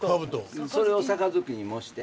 それを盃に模して。